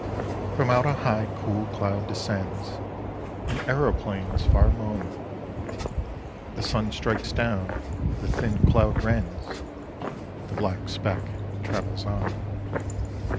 From out a high cool cloud descends An aeroplane's far moan.... The sun strikes down, the thin cloud rends.... The black speck travels on.